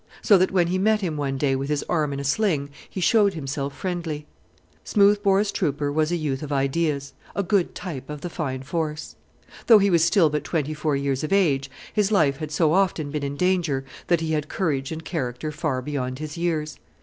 So that when he met him one day with his arm in a sling he showed himself friendly. Smoothbore's trooper was a youth of ideas a good type of the fine force. Though he was still but twenty four years of age his life had so often been in danger that he had courage and character far beyond his years.